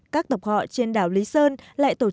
các tập họ trên đảo lý sơn lại tổ chức